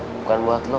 bukan buat lo